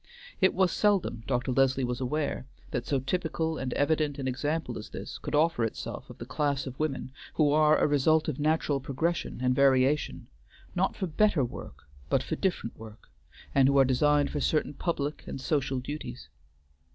It was seldom, Dr. Leslie was aware, that so typical and evident an example as this could offer itself of the class of women who are a result of natural progression and variation, not for better work, but for different work, and who are designed for certain public and social duties.